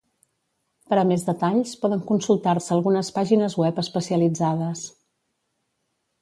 Per a més detalls poden consultar-se algunes pàgines web especialitzades.